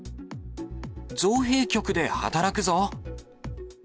造幣局で働くぞ！